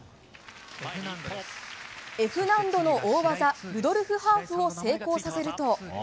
Ｆ難度の大技ルドルフハーフを成功させると。